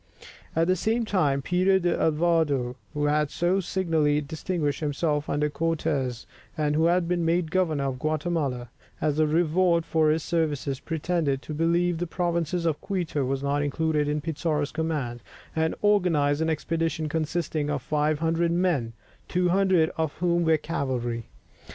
At the same time, Peter d'Alvarado, who had so signally distinguished himself under Cortès, and who had been made governor of Guatemala, as a reward for his services, pretended to believe that the province of Quito was not included in Pizarro's command, and organized an expedition consisting of 500 men, 200 of whom were cavalry.